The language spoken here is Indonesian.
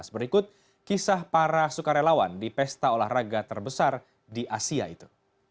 berikut kisah para sukarelawan di pesta olahraga terbesar di asia itu